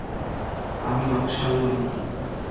আমি নকশাল নই।